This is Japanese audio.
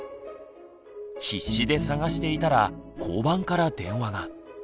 必死で捜していたら交番から電話が。